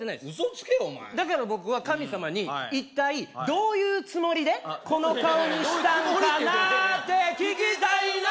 つけお前だから僕は神様に一体どういうつもりでこの顔にしたんかなってどういうつもりって聞きたいな！